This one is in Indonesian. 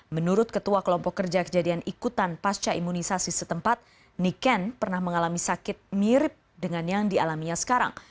menurut ketua kelompok kerja kejadian ikutan pasca imunisasi setempat niken pernah mengalami sakit mirip dengan yang dialaminya sekarang